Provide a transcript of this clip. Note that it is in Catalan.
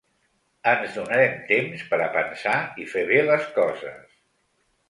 Ens donarem temps per a pensar i fer bé les coses.